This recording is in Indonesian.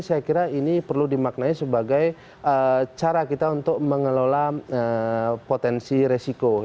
saya kira ini perlu dimaknai sebagai cara kita untuk mengelola potensi resiko